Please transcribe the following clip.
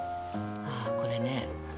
ああこれね。